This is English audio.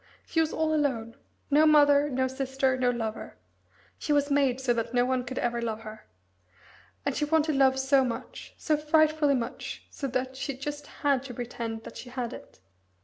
She was all alone no mother, no sister, no lover. She was made so that no one could ever love her. And she wanted love so much so frightfully much, so that she just had to pretend that she had it."